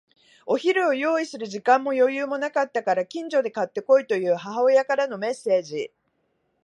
お昼を用意する時間も余裕もなかったから、近所で買って来いという母親からのメッセージ。